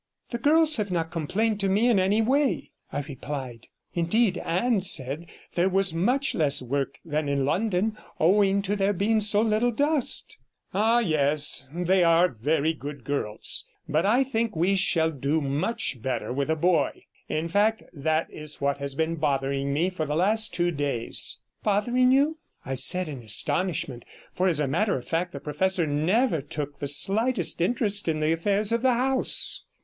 'The girls have not complained to me in any way,' I replied. 'Indeed, Anne said there was much less work than in London, owing to there being so little dust.' 'Ah, yes, they are very good girls. But I think we shall do much better with a boy. In fact, that is what has been bothering me for the last two days.' 'Bothering you?' I said in astonishment, for as a matter of fact the professor never took the slightest interest in the affairs of the house.